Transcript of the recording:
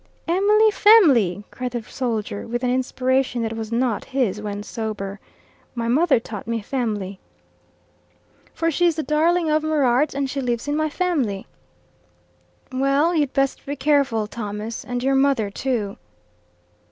"Emily femily!" cried the soldier, with an inspiration that was not his when sober. "My mother taught me femily. "'For she's the darling of merart, And she lives in my femily.'" "Well, you'd best be careful, Thomas, and your mother too."